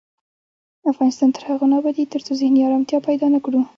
افغانستان تر هغو نه ابادیږي، ترڅو ذهني ارامتیا پیدا نکړو.